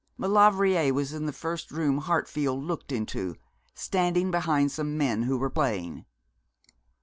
Maulevrier was in the first room Hartfield looked into, standing behind some men who were playing.